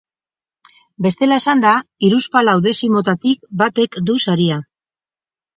Bestela esanda, hiruzpalau dezimotatik batek du saria.